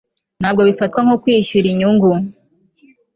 ntabwo bifatwa nko kwishyura inyungu